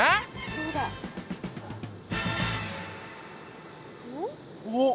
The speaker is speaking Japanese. どうだ？おっ？